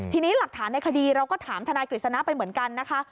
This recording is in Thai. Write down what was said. ทีนี้หลักฐานในคดีเราก็ถามทนายกฤษณะไปเหมือนกันนะคะ